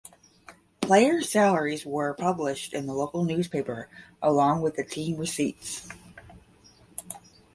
Player salaries were published in the local newspaper along with team receipts.